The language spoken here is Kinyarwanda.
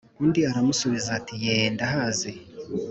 undi aramusubiza, ati: ye, ndahazi :